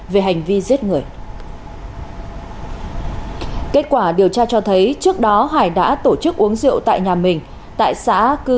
đã chết người kết quả điều tra cho thấy trước đó hải đã tổ chức uống rượu tại nhà mình tại xã cư